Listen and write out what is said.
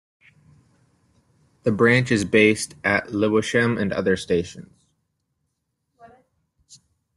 The Branch is based at Lewisham and other stations.